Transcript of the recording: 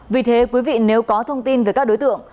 vì thế quý vị nếu có thông tin về các đối tượng